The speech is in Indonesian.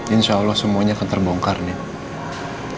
insya allah semuanya akan terbongkar nih